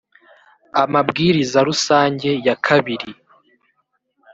amabwiriza rusange yakabiri